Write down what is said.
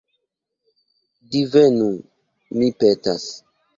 Divenu, mi petas.